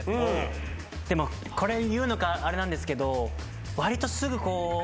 これ言うのあれなんですけどわりとすぐこう。